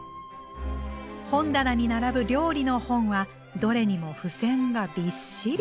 本棚に並ぶ料理の本はどれにも付箋がびっしり。